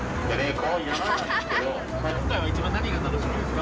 一番何が楽しみですか？